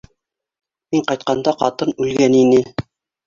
Мин ҡайтҡанда ҡатын үлгән ине...